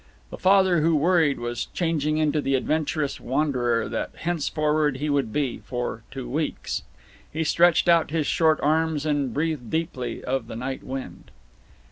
The Father who worried was changing into the adventurous wanderer that henceforward he would be for two weeks. He stretched out his short arms and breathed deeply of the night wind.